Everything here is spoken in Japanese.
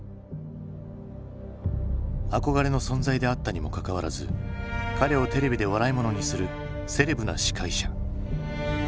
憧れの存在であったにもかかわらず彼をテレビで笑い者にするセレブな司会者。